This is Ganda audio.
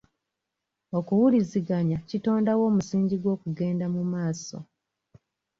Okuwuliziganya kitondawo omusingi gw'okugenda mu maaso.